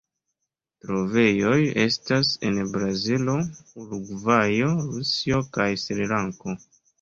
Trovejoj estas en Brazilo, Urugvajo, Rusio kaj Srilanko.